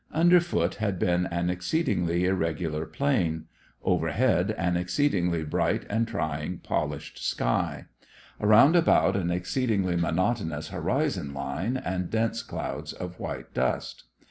Underfoot had been an exceedingly irregular plain; overhead an exceedingly bright and trying polished sky; around about an exceedingly monotonous horizon line and dense clouds of white dust.